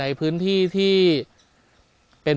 สวัสดีทุกคน